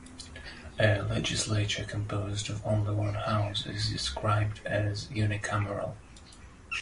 A legislature composed of only one house is described as unicameral.